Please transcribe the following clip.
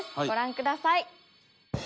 ご覧ください。